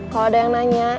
kalau ada yang nanya